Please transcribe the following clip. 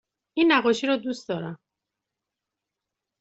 این نقاشی را دوست دارم.